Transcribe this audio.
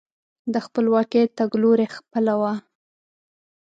د خپلواکۍ تګلوري خپله وه.